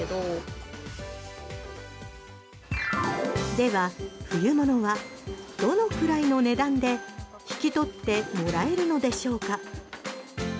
では、冬物はどのくらいの値段で引き取ってもらえるのでしょうか？